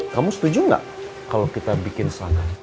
kamu setuju nggak kalau kita bikin sanggar